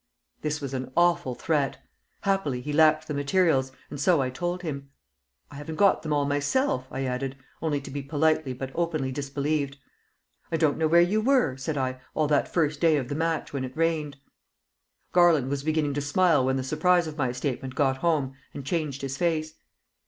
This was an awful threat. Happily he lacked the materials, and so I told him. "I haven't got them all myself," I added, only to be politely but openly disbelieved. "I don't know where you were," said I, "all that first day of the match, when it rained." Garland was beginning to smile when the surprise of my statement got home and changed his face.